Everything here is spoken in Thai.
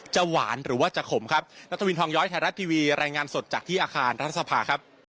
จะหวานหรือว่าจะขมครับ